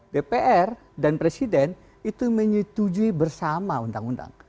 dpr dan presiden itu menyetujui bersama undang undang